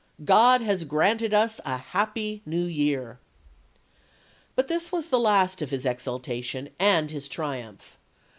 .. God has granted us a happy New Year." But this was the last of his exultation and his triumph.